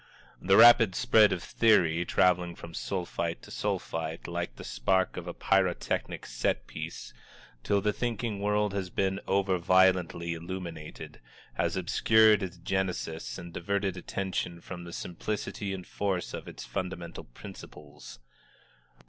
The rapid spread of the theory, traveling from Sulphite to Sulphite, like the spark of a pyrotechnic set piece, till the thinking world has been over violently illuminated, has obscured its genesis and diverted attention from the simplicity and force of its fundamental principles.